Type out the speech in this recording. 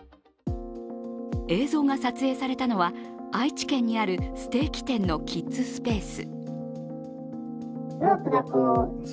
映像が撮影されたのは愛知県にあるステーキ店のキッズスペース。